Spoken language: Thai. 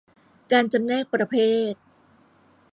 การจำแนกประเภท